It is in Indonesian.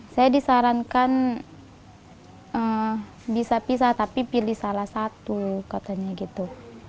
saya disarankan bisa pisah tapi pilih salah satu katanya gitu